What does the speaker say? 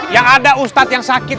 yang ada ustadz yang sakit